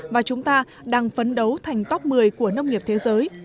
và chúng ta đang phấn đấu thành top một mươi của nông nghiệp thế giới